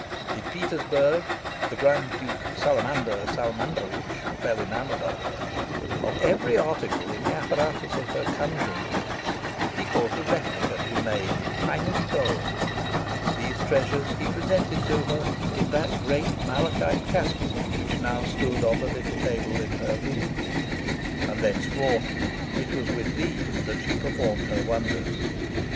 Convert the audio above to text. In Petersburg, the Grand Duke Salamander Salamandrovitch fell enamoured of her. Of every article in the apparatus of her conjuring tricks he caused a replica to be made in finest gold. These treasures he presented to her in that great malachite casket which now stood on the little table in her room; and thenceforth it was with these that she performed her wonders.